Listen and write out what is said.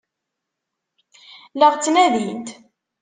La ɣ-ttnadint?